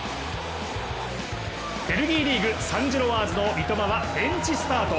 ベルギーリーグ、サン＝ジロワーズの三笘はベンチスタート。